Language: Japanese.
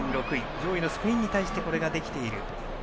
上位のスペインに対してこれができている。